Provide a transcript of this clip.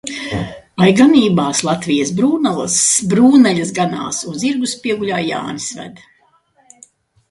Lai ganībās Latvijas brūnaļas ganās un zirgus pieguļā Jānis ved.